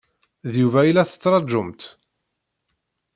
D Yuba i la tettṛaǧumt?